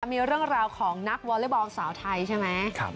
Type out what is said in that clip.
มีเรื่องราวของนักวอเล็กบอลสาวไทยใช่ไหม